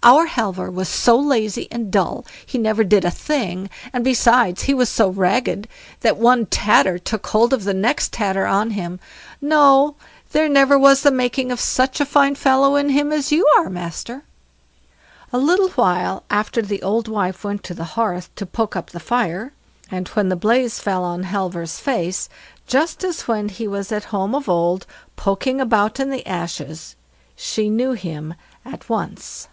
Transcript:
"Our Halvor was so lazy and dull, he never did a thing; and besides, he was so ragged, that one tatter took hold of the next tatter on him. No; there never was the making of such a fine fellow in him as you are, master." A little while after the old wife went to the hearth to poke up the fire, and when the blaze fell on Halvor's face, just as when he was at home of old poking about in the ashes, she knew him at once.